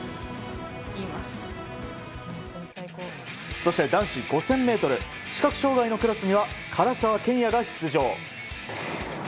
そして男子５０００ｍ視覚障害のクラスには唐澤剣也が出場。